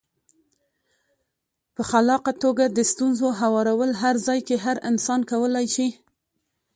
په خلاقه توګه د ستونزو هوارول هر ځای کې هر انسان کولای شي.